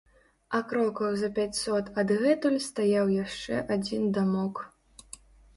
А крокаў за пяцьсот адгэтуль стаяў яшчэ адзін дамок.